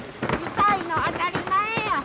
痛いの当たり前や。